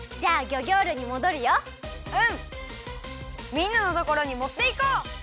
みんなのところにもっていこう！